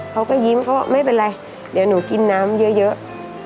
เขาก็ยิ้มเขาว่าไม่เป็นไรเดี๋ยวหนูกินน้ำเยอะ